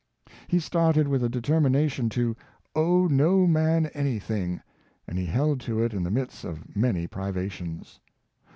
He started with a determination to " owe no man any thing," and he held to it in the midst of many priva tions.